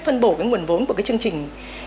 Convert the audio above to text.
phân bổ nguồn vốn của chương trình